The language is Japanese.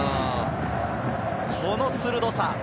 この鋭さ。